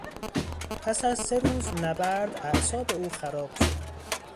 پس از سه روز نبرد اعصاب او خراب شد